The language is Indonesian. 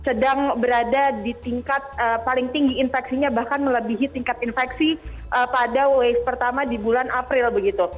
sedang berada di tingkat paling tinggi infeksinya bahkan melebihi tingkat infeksi pada wave pertama di bulan april begitu